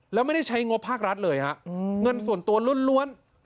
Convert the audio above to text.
แล้วไม่ได้ใช้งบภาครัฐเลยฮะเงินส่วนตัวล้วน